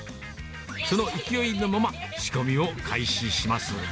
その勢いのまま、仕込みを開始します。